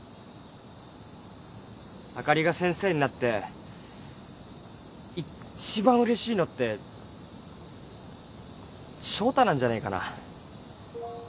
あかりが先生になって一番うれしいのって翔太なんじゃねえかな？